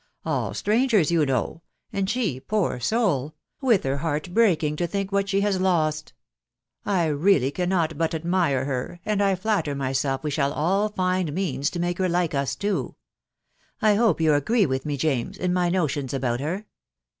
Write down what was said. All strangers, you know *, and. &&> ^wst THE WIDOW BARNABY. 117 soul !...• with her heart breaking to think what she has lost !.... I really cannot hut admire her, and I flatter my self we shall all find means to make her like us too. I hope you agree with me, James, in my notions about her